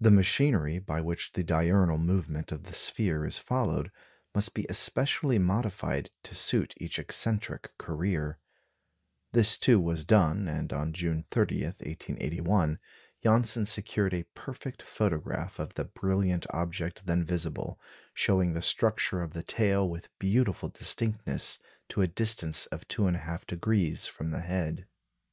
The machinery by which the diurnal movement of the sphere is followed, must be especially modified to suit each eccentric career. This, too, was done, and on June 30, 1881, Janssen secured a perfect photograph of the brilliant object then visible, showing the structure of the tail with beautiful distinctness to a distance of 2 1/2° from the head.